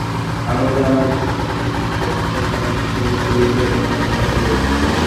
আনন্দে আমার ভূষণবিহীন প্রত্যেক অঙ্গপ্রত্যঙ্গ পুলকে রোমাঞ্চিত হইয়া উঠিল।